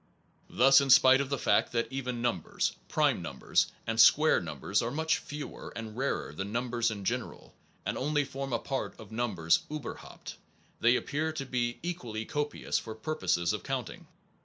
Thus, in spite of the fact that even num bers, prime numbers, and square numbers are much fewer and rarer than numbers in general, and only form a part of numbers iiberhaupt they appear to be equally copious for purposes of counting.